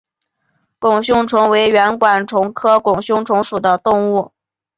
拱胸虫为圆管虫科拱胸虫属的动物。